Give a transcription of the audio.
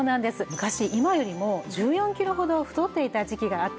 昔今よりも１４キロほど太っていた時期があったんですね。